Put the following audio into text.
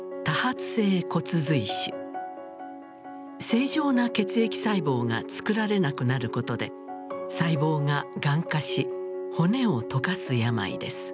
正常な血液細胞がつくられなくなることで細胞ががん化し骨を溶かす病です。